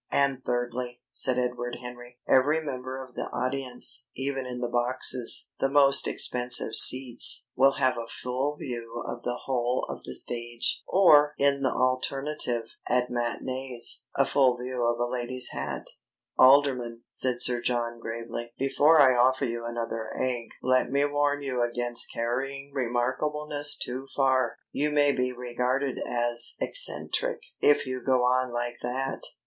"And thirdly," said Edward Henry, "every member of the audience even in the boxes, the most expensive seats will have a full view of the whole of the stage or, in the alternative, at matinées, a full view of a lady's hat." "Alderman," said Sir John gravely, "before I offer you another egg, let me warn you against carrying remarkableness too far. You may be regarded as eccentric if you go on like that.